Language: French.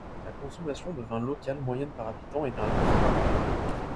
La consommation de vin locale moyenne par habitant est d'un litre par an.